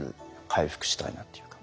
回復したいなというか。